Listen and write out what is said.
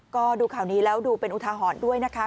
ก็ดูข่าวนี้แล้วดูเป็นอุทาหรณ์ด้วยนะคะ